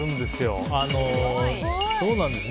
そうなんですよ。